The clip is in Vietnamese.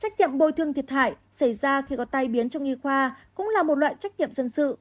trách nhiệm bồi thương thiệt hại xảy ra khi có tai biến trong y khoa cũng là một loại trách nhiệm dân sự